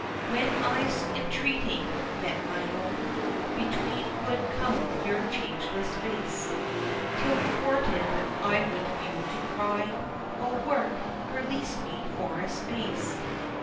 When eyes entreating met my own, Between would come your changeless face, Till, thwarted, I would feel to cry, O work, release me for a space!